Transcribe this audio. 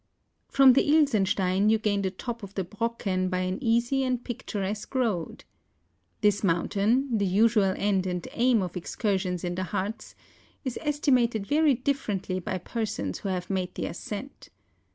From the Ilsenstein you gain the top of the Brocken by an easy and picturesque road. This mountain, the usual end and aim of excursions in the Hartz, is estimated very differently by persons Avho have made the ascent.